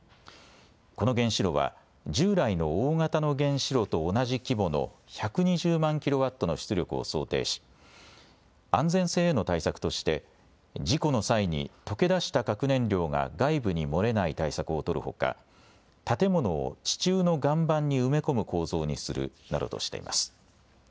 この原子炉は従来の大型の原子炉と同じ規模の１２０万キロワットの出力を想定し安全性への対策として事故の際に溶け出した核燃料が外部に漏れない対策を取るほか、建物を地中の岩盤に埋め込む構造にするなどとしています。